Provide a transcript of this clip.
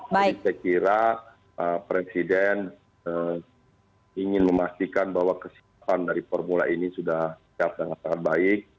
jadi saya kira pak presiden ingin memastikan bahwa kesiapan dari formula ini sudah siap dengan sangat baik